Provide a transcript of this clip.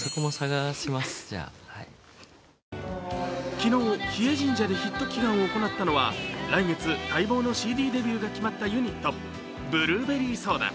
昨日、日枝神社でヒット祈願を行ったのは来月ＣＤデビューが決まったブルーベリーソーダ。